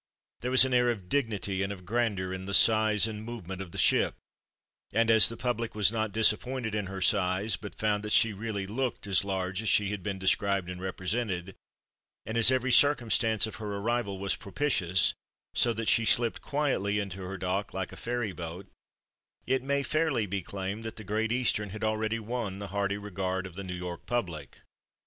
There was an air of dignity and of grandeur in the size and movement of the ship; and as the public was not disappointed in her size, but found that she really looked as large as she had been described and represented; and as every circumstance of her arrival was propitious, so that she slipped quietly into her dock, like a ferry boat it may fairly be claimed that the Great Eastern had already won the hearty regard of the New York public.